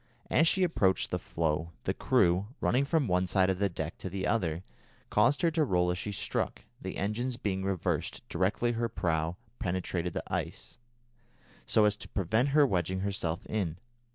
As she approached the floe, the crew, running from one side of the deck to the other, caused her to roll as she struck, the engines being reversed directly her prow penetrated the ice, so as to prevent her wedging herself in.